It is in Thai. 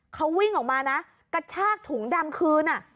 เขาวิ่งออกมานะกระชากถุงดำคืน